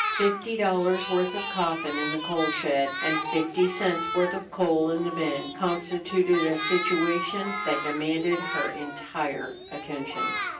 Fifty dollars' worth of coffin in the coal shed and fifty cents' worth of coal in the bin constituted a situation that demanded her entire attention.